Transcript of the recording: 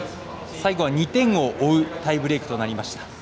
最後は２点を追うタイブレークとなりました。